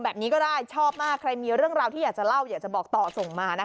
แบบนี้ก็ได้ชอบมากใครมีเรื่องราวที่อยากจะเล่าอยากจะบอกต่อส่งมานะคะ